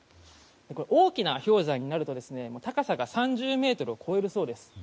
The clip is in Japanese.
大きな氷山になると高さが３０ｍを超えるそうです。